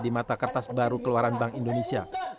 di mata kertas baru keluaran bank indonesia